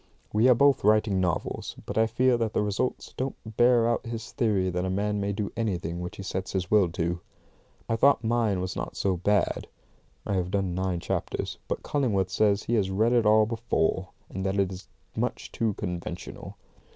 We are both writing novels, but I fear that the results don't bear out his theory that a man may do anything which he sets his will to. I thought mine was not so bad (I have done nine chapters), but Cullingworth says he has read it all before, and that it is much too conventional.